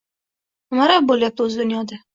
Nimalar bo’lyapti o’zi dunyoda?